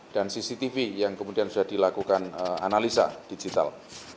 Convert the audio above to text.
dan cctv yang kemudian sudah dilakukan analisa digital